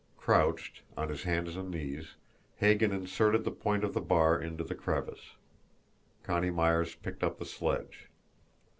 Crouched, on his hands and knees, Hagan inserted the point of the bar into the crevice. Connie Myers picked up the sledge.